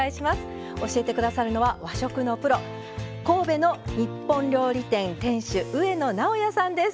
教えて下さるのは和食のプロ神戸の日本料理店店主上野直哉さんです。